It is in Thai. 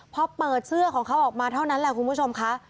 พอเปิดเสื้อของเขาออกมาเท่านั้นแหละคุณผู้ชมค่ะ